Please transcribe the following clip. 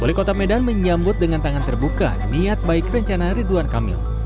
wali kota medan menyambut dengan tangan terbuka niat baik rencana ridwan kamil